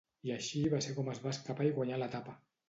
I així va ser com es va escapar i guanyà l'etapa.